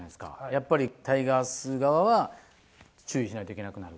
やっぱりタイガース側は、注意しないといけなくなる？